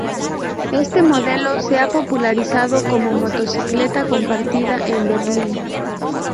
Este modelo se ha popularizado como motocicleta compartida en Berlín.